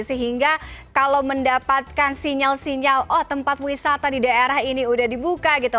sehingga kalau mendapatkan sinyal sinyal oh tempat wisata di daerah ini udah dibuka gitu